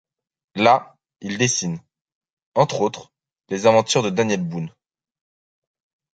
Là il dessine, entre autres, les aventures de Daniel Boone.